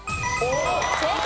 正解！